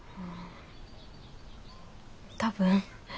多分。